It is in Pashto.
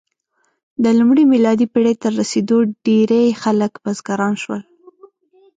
د لومړۍ میلادي پېړۍ تر رسېدو ډېری خلک بزګران شول.